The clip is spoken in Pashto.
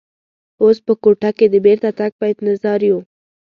اوس په کوټه کې د بېرته تګ په انتظار یو.